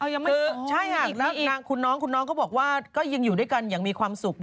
คือใช่ค่ะแล้วคุณน้องคุณน้องก็บอกว่าก็ยังอยู่ด้วยกันอย่างมีความสุข